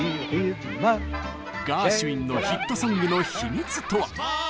ガーシュウィンのヒットソングの秘密とは？